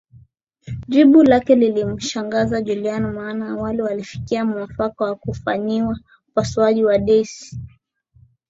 Jibu lake lilimshangaza Juliana maana awali walifikia muafaka wa kufanyiwa upasuaji wa Daisy